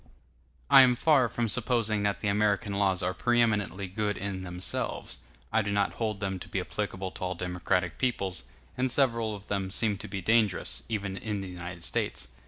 I am far from supposing that the American laws are preeminently good in themselves; I do not hold them to be applicable to all democratic peoples; and several of them seem to be dangerous, even in the United States.